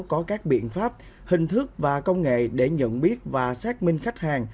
có các biện pháp hình thức và công nghệ để nhận biết và xác minh khách hàng